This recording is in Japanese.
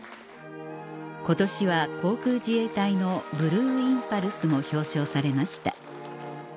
今年は航空自衛隊のブルーインパルスも表彰されました